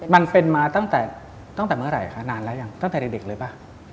มันเป็นมาตั้งแต่ตั้งแต่เมื่อไหร่คะนานแล้วยังตั้งแต่เด็กเลยป่ะ